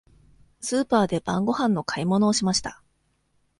スーパーで晩ごはんの買い物をしました。